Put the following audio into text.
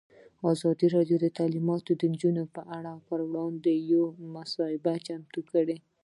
ازادي راډیو د تعلیمات د نجونو لپاره پر وړاندې یوه مباحثه چمتو کړې.